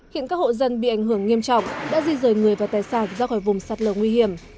hiện các hộ dân bị ảnh hưởng nghiêm trọng đã di rời người và tài sản ra khỏi vùng sạt lở nguy hiểm